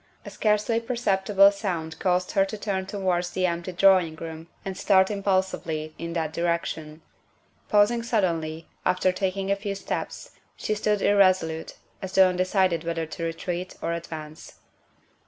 A scarcely perceptible sound caused her to turn towards the empty drawing room and start im pulsively in that direction. Pausing suddenly, after THE SECRETARY OF STATE 63 taking a few steps, she stood irresolute, as though un decided whether to retreat or advance.